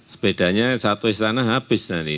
sepedanya satu istana habis nanti